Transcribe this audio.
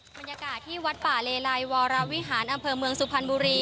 บริเวณวัดป่าเลไลวรวิหารอำเภอเมืองสุพรรณบุรี